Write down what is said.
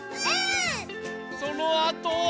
そのあとは。